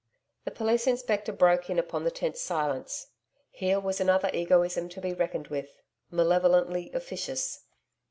The police inspector broke in upon the tense silence. Here was another egoism to be reckoned with malevolently officious.